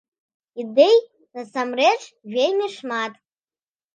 Ідэй, насамрэч, вельмі шмат!